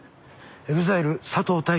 ＥＸＩＬＥ佐藤大樹。